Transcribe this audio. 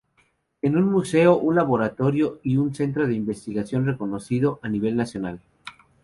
Es un museo, un laboratorio y un centro de investigación reconocido a nivel nacional.